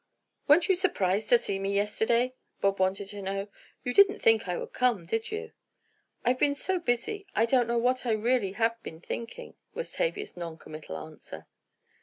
"Weren't you surprised to see me yesterday?" Bob wanted to know. "You didn't think I would come; did you?" "I've been so busy, I don't know what I really have been thinking," was Tavia's non committal answer.